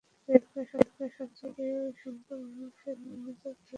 রেলকে সবচেয়ে গুরুত্ব দিয়ে সমগ্র বাংলাদেশে রেল নেটওয়ার্ক তৈরি করা হয়েছে।